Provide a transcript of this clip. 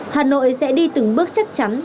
hà nội sẽ đi từng bước chắc chắn